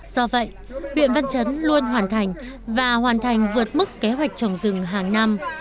do vậy huyện văn chấn luôn hoàn thành và hoàn thành vượt mức kế hoạch trồng rừng hàng năm